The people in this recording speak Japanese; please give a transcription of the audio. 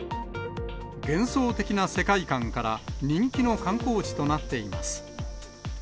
幻想的な世界観から人気の観光地となっています。